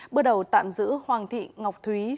bước đầu tạm giữ hoàng thị ngọc thúy